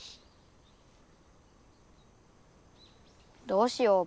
どうしよう？